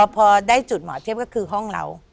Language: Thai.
พอได้จุดหมอเทียบก็คือห้องเรา